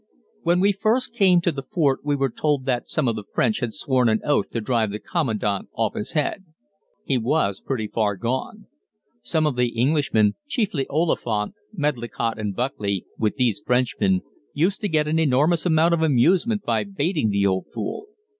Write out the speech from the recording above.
When we first came to the fort we were told that some of the French had sworn an oath to drive the Commandant off his head. He was pretty far gone. Some of the Englishmen, chiefly Oliphant, Medlicott, and Buckley, with these Frenchmen, used to get an enormous amount of amusement by baiting the old fool.